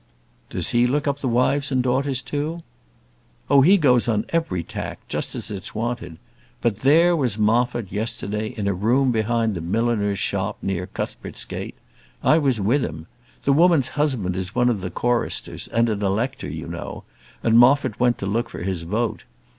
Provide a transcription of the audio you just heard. "Does he look up the wives and daughters too?" "Oh, he goes on every tack, just as it's wanted. But there was Moffat, yesterday, in a room behind the milliner's shop near Cuthbert's Gate; I was with him. The woman's husband is one of the choristers and an elector, you know, and Moffat went to look for his vote.